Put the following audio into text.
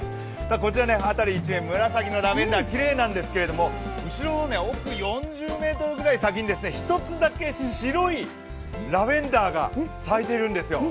こちら辺り一面紫のラベンダーきれいなんですけれども、後ろ奥４０ｍくらい先に１つだけ白いラベンダーが咲いているんです。